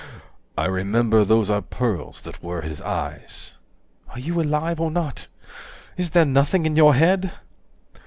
I remember Those are pearls that were his eyes. 125 "Are you alive, or not? Is there nothing in your head?"